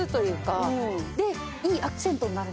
でいいアクセントになる。